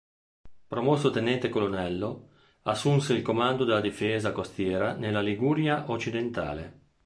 Promosso tenente colonnello, assunse il comando della difesa costiera nella Liguria occidentale.